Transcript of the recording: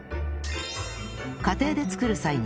家庭で作る際に